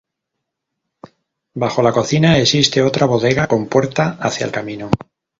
Bajo la cocina existe otra bodega con puerta hacia el camino.